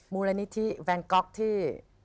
มูลนิธิแวนก๊อกที่